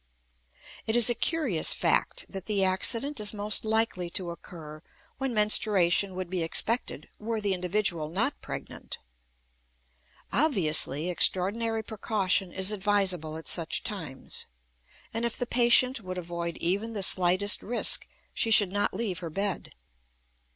It is a curious fact that the accident is most likely to occur when menstruation would be expected were the individual not pregnant. Obviously, extraordinary precaution is advisable at such times, and if the patient would avoid even the slightest risk, she should not leave her bed.